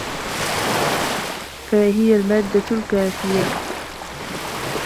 فَهِيَ الْمَادَّةُ الْكَافِيَةُ